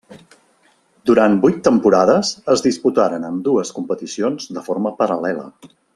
Durant vuit temporades es disputaren ambdues competicions de forma paral·lela.